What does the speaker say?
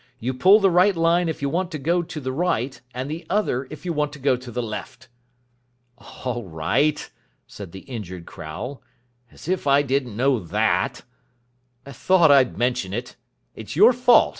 You pull the right line if you want to go to the right and the other if you want to go to the left." "All right," said the injured Crowle. "As if I didn't know that." "Thought I'd mention it. It's your fault.